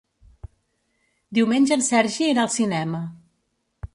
Diumenge en Sergi irà al cinema.